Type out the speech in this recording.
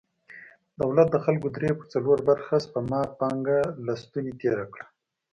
دولت د خلکو درې پر څلور برخه سپما پانګه له ستونې تېره کړه.